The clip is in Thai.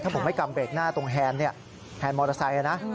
ถ้าผมไม่กำเบรกหน้าตรงแฮนด์เนี่ยแฮนด์มอเตอร์ไซค์นะ